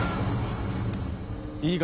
いいか？